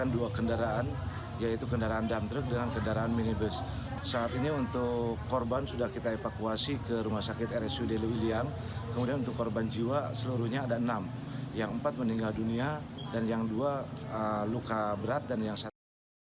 dan yang dua luka berat dan yang satu luka berat